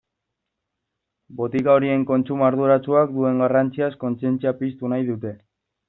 Botika horien kontsumo arduratsuak duen garrantziaz kontzientzia piztu nahi dute.